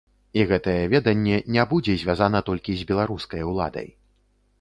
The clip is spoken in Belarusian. І гэтае веданне не будзе звязана толькі з беларускай уладай.